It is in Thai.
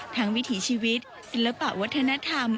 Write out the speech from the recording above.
ทั้งวิถีชีวิตศิลปะวัฒนธรรมศิลปะวัฒนธรรม